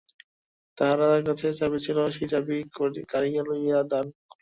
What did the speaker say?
তাহার কাছে চাবি ছিল, সেই চাবি কাড়িয়া লইয়া দ্বার খুলিলেন।